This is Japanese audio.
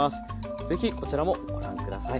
ぜひこちらもご覧下さい。